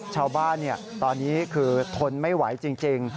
ชาวบ้านตอนนี้คือทนไม่ไหวจริง